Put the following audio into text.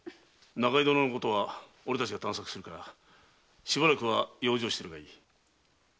中井殿のことは俺たちが探索するからしばらくは養生してるがいい。